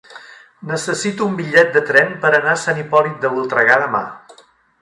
Necessito un bitllet de tren per anar a Sant Hipòlit de Voltregà demà.